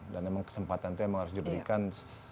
dan memang kesempatan itu harus diberikan